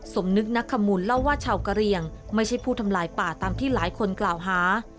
สมนึกนักขมูลเล่าว่าชาวกะเรียงไม่ใช่ผู้ทำลายป่าตามที่หลายคนกล่าวหา